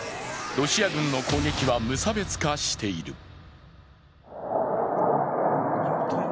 ロシア軍の攻撃は無差別化している。